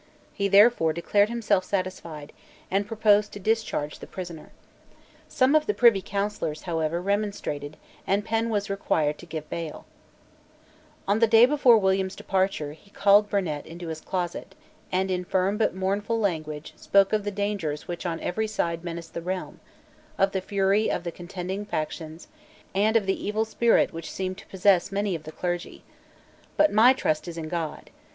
He therefore declared himself satisfied, and proposed to discharge the prisoner. Some of the Privy Councillors, however, remonstrated; and Penn was required to give bail, On the day before William's departure, he called Burnet into his closet, and, in firm but mournful language, spoke of the dangers which on every side menaced the realm, of the fury or the contending factions, and of the evil spirit which seemed to possess too many of the clergy. "But my trust is in God.